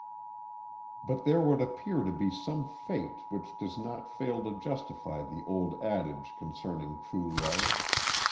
But there would appear to be some fate which does not fail to justify the old adage concerning true love.